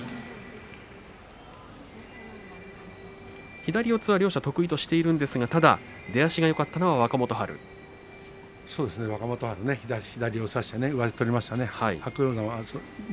左四つは両者得意としているところですが出足が若元春、左を差して上手を取りましたね。